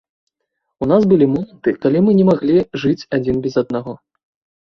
У нас былі моманты, калі мы не маглі жыць адзін без аднаго.